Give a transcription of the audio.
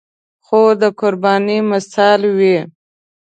خور د قربانۍ مثال وي.